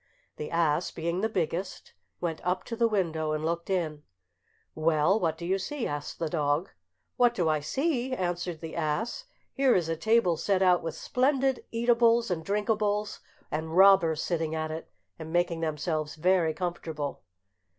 The ass, being the biggest, went up to the window, and looked in. "Well, what do you see?" asked the dog. "What do I see?" answered the ass; "here is a table set out with splendid eatables and drinkables, and robbers sitting at it and making themselves very comfortable."